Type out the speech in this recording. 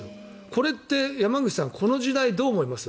これって山口さんこの時代、どう思います？